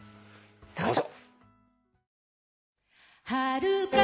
どうぞ。